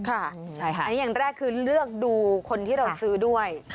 อันนี้อย่างแรกคือเลือกดูคนที่เราซื้อด้วย